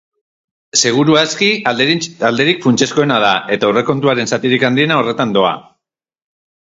Seguru aski, alderik funtsezkoena da, eta aurrekontuaren zatirik handiena horretan doa.